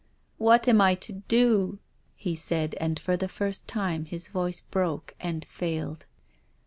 " What am I to do ?" he said, and for the first time his voice broke and failed.